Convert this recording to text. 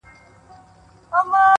• دا ټپه ورته ډالۍ كړو دواړه؛